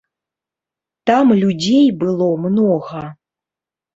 Там людзей было многа.